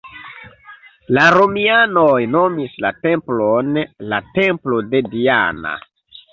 La romianoj nomis la templon la Templo de Diana.